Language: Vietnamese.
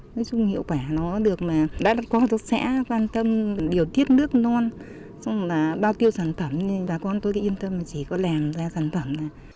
nói chung hiệu quả nó được mà đã có tôi sẽ quan tâm điều thiết nước non xong là bao tiêu sản phẩm bà con tôi yên tâm chỉ có làm ra sản phẩm